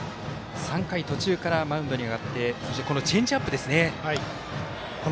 ３回途中からマウンドに上がってチェンジアップですね。